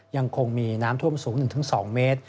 ยังคงมีน้ำท่วมสูง๑๒เมตร